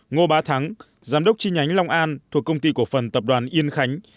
ngô bá thắng giám đốc chi nhánh long an thuộc công ty cổ phần tập đoàn yên khánh